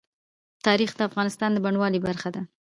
تاریخ د افغانستان د بڼوالۍ برخه ده.